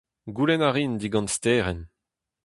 Goulenn a rin digant Sterenn.